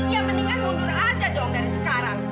ya mendingan mundur aja dong dari sekarang